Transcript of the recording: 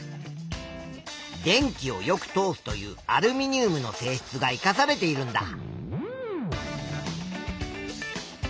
電気をよく通すというアルミニウムの性質が生かされているんだ。